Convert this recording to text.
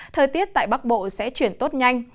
thời tiết tại bắc bộ sẽ chuyển tốt nhanh